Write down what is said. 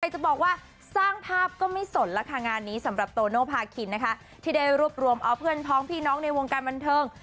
จะบอกว่าสร้างภาพก็ไม่สนแล้วค่ะงานนี้สำหรับโตโนภาคินนะคะที่ได้รวบรวมเอาเพื่อนพ้องพี่น้องในวงการบันเทิง